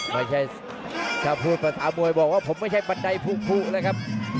ไม่ใช่ถ้าพูดภาษามวยบอกว่าผมไม่ใช่บันไดพุนะครับ